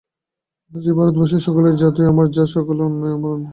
আজ এই ভারতবর্ষের সকলের জাতই আমার জাত, সকলের অন্নই আমার অন্ন।